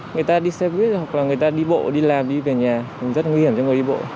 người ta đi xe buýt hoặc là người ta đi bộ đi làm đi về nhà rất nguy hiểm cho người đi bộ